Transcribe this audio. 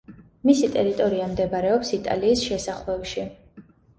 მისი ტერიტორია მდებარეობს იტალიის შესახვევში.